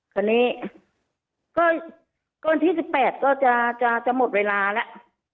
คราวนี้ก็วันที่สิบแปดก็จะจะจะหมดเวลาแล้ว